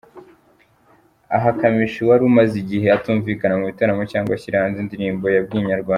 Aha Kamichi wari umaze igihe atumvikana mu bitaramo cyangwa ashyira hanze indirimbo yabwiye Inyarwanda.